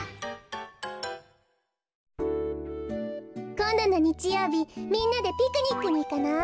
こんどのにちようびみんなでピクニックにいかない？